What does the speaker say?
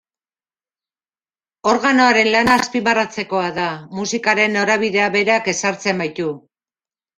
Organoaren lana azpimarratzekoa da, musikaren norabidea berak ezartzen baitu.